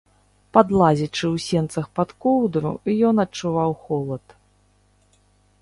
Падлазячы ў сенцах пад коўдру, ён адчуваў холад.